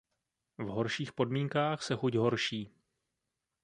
V horších podmínkách se chuť horší.